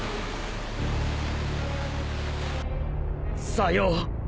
さよう！